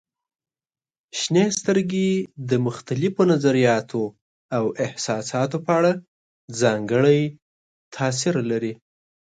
شنې سترګې د مختلفو نظریاتو او احساساتو په اړه ځانګړی تاثير لري.